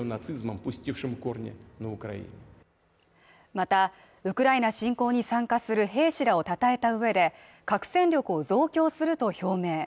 また、ウクライナ侵攻に参加する兵士らをたたえた上で核戦力を増強すると表明。